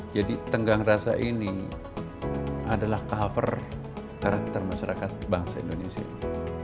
jadi tenggang rasa ini adalah cover karakter masyarakat bangsa indonesia ini